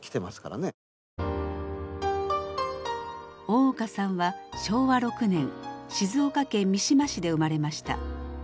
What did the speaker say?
大岡さんは昭和６年静岡県三島市で生まれました。